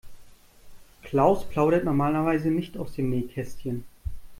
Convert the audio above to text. Klaus plaudert normalerweise nicht aus dem Nähkästchen.